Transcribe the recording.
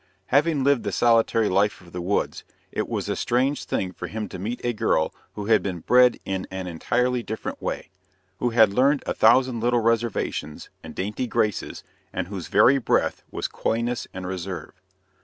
Having lived the solitary life of the woods, it was a strange thing for him to meet a girl who had been bred in an entirely different way, who had learned a thousand little reservations and dainty graces, and whose very breath was coyness and reserve.